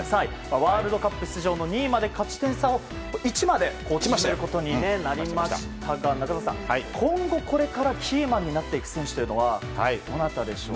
ワールドカップ出場の２位まで勝ち点差を１まで縮めることになりましたが中澤さん、今後これからキーマンになる選手はどなたでしょうか？